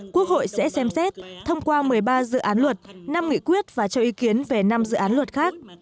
quốc hội sẽ xem xét thông qua một mươi ba dự án luật năm nghị quyết và cho ý kiến về năm dự án luật khác